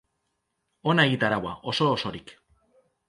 Hona egitaraua, oso-osorik.